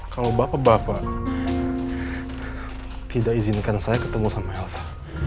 kalau bapak bapak tidak izinkan saya ketemu sama elsa